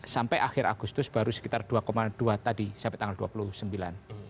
sampai akhir agustus baru sekitar dua dua tadi sampai tanggal dua puluh sembilan